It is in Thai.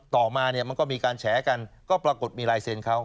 ต่อมาเนี่ยมันก็มีการแฉกันก็ปรากฏมีลายเซ็นต์เขา